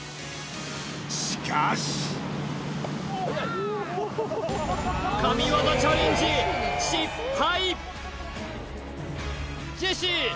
しかし神業チャレンジ失敗